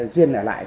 duyên ở lại